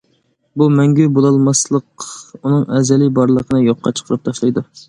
بۇ مەڭگۈ بولالماسلىق ئۇنىڭ ئەزەلىي بارلىقىنى يوققا چىقىرىپ تاشلايدۇ.